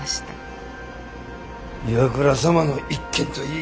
岩倉様の一件といい